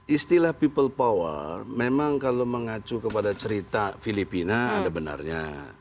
istilah people power memang kalau mengacu kepada cerita filipina ada benarnya